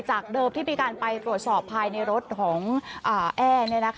จากเดิมที่มีการไปตรวจสอบภายในรถของแอ้